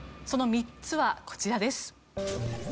その３つはこちらです。